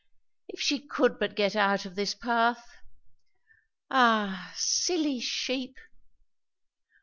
If she could but get out of this path Ah, silly sheep!